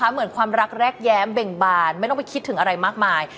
เหมือนความรักแรกแย้มเบ่งบานไม่ต้องไปคิดถึงอะไรมากมาย